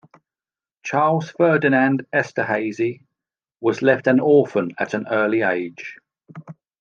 Charles Ferdinand Esterhazy was left an orphan at an early age.